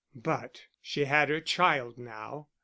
But she had her child now.